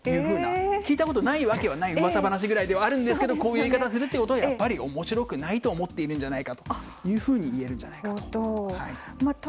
聞いたことがないことはないくらいの噂話なんですがこういう言い方をするということはやはり面白くないと思っているんじゃないかといえるんじゃないかと。